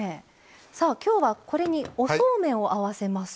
さあきょうはこれにおそうめんを合わせます。